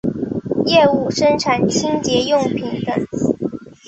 业务生产清洁用品等。